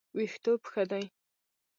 ویښتوب ښه دی.